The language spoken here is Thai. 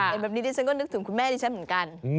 เป็นแบบนี้ที่ฉันก็นึกถึงแม่ที่ฉันเหมือนกัน